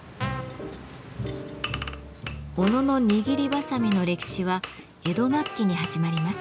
小野の握りばさみの歴史は江戸末期に始まります。